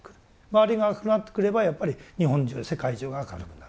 周りが明るくなってくればやっぱり日本中世界中が明るくなる。